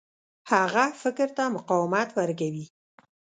هغه فکر ته مقاومت ورکوي.